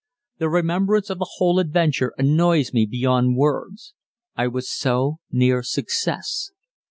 The remembrance of the whole adventure annoys me beyond words. I was so near success.